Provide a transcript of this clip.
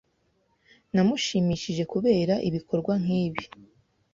Namushimishije kubera ibikorwa nkibi